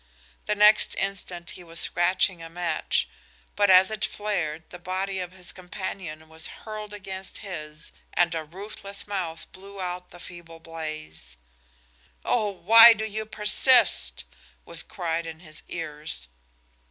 The next instant he was scratching a match, but as it flared the body of his companion was hurled against his and a ruthless mouth blew out the feeble blaze. "Oh, why do you persist?" was cried in his ears.